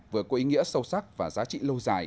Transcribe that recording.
vừa có ý nghĩa sâu sắc và giá trị lâu dài